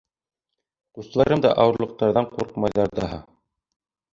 Ҡустыларым да ауырлыҡтарҙан ҡурҡмайҙар ҙаһа!